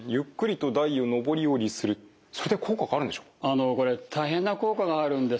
あのこれ大変な効果があるんです。